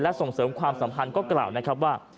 และส่งเสริมความสัมพันธ์ก็กล่าวนะครับว่า